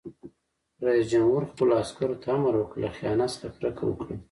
رئیس جمهور خپلو عسکرو ته امر وکړ؛ له خیانت څخه کرکه وکړئ!